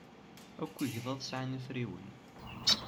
Akk igḍaḍ sɛan afriwen.